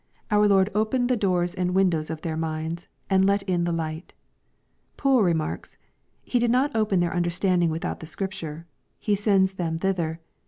Our Lord opened the doors and windows of their minds, and let in the light Poole remarks, " He did not open their understanding without the Scripture ; He sends them thither.